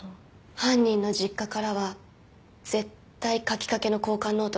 犯人の実家からは絶対書きかけの交換ノートが発掘されるの。